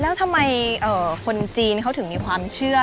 แล้วทำไมคนจีนเขาถึงมีความเชื่อ